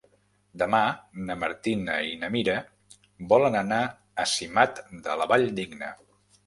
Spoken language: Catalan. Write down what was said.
Demà na Martina i na Mira volen anar a Simat de la Valldigna.